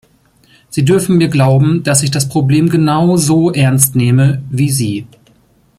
Sie dürfen mir glauben, dass ich das Problem genauso ernst nehme wie Sie.